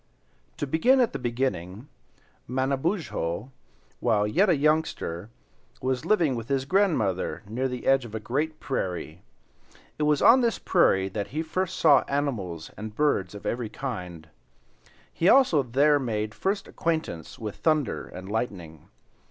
To begin at the beginning, Manabozho, while yet a youngster, was living with his grandmother near the edge of a great prairie. It was on this prairie that he first saw animals and birds of every kind; he also there made first acquaintance with thunder and lightning.